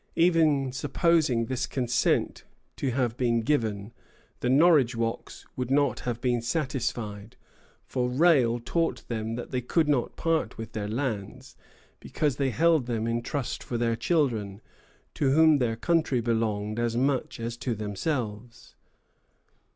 Even supposing this consent to have been given, the Norridgewocks would not have been satisfied; for Rale taught them that they could not part with their lands, because they held them in trust for their children, to whom their country belonged as much as to themselves.